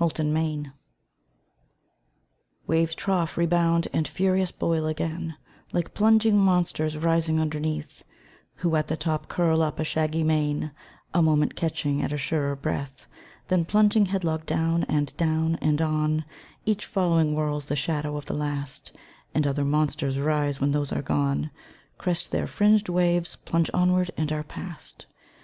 The Flood Waves trough, rebound, and furious boil again, Like plunging monsters rising underneath, Who at the top curl up a shaggy mane, A moment catching at a surer breath, Then plunging headlong down and down, and on Each following whirls the shadow of the last; And other monsters rise when those are gone, Crest their fringed waves, plunge onward and are past.